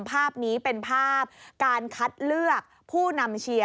ภาพนี้เป็นภาพการคัดเลือกผู้นำเชียร์